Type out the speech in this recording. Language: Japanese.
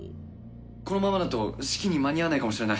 このままだと式に間に合わないかもしれない。